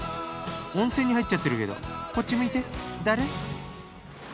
温泉に入っちゃってるけどこっち向いて誰？